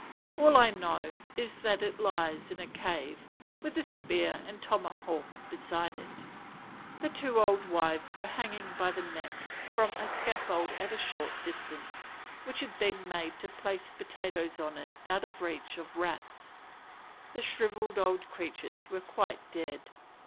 All I know is that it lies in a cave, with the spear and tomahawk beside it. The two old wives were hanging by the neck from a scaffold at a short distance, which had been made to place potatoes on out of the reach of rats. The shrivelled old creatures were quite dead.